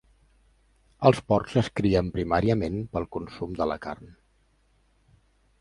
Els porcs es crien primàriament per al consum de la carn.